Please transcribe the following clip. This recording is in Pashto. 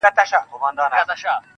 زما د سرڅښتنه اوس خپه سم که خوشحاله سم؟